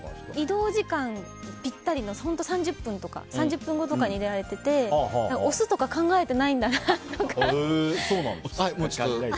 移動時間ぴったりの、本当３０分後とかに入れられてて時間が押すとか考えていないんだなと。